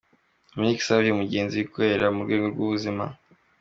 Dominique Savio Mugenzi wikorera mu rwego rw’ubuzima.